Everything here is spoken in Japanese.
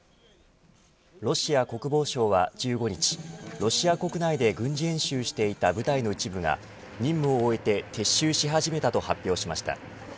ロシア国防省は１５日ロシア国内で軍事演習していた部隊の一部が任務を終えて撤収し始めたと発表しました。